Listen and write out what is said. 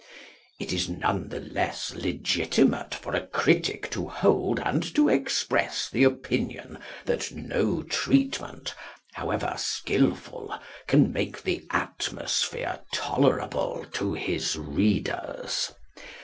It is none the less legitimate for a critic to hold and to express the opinion that no treatment, however skilful, can make the atmosphere tolerable to his readers.